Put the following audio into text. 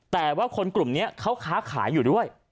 แต่ว่าคนกลุ่มนี้เขาค้าขายอยู่ด้วย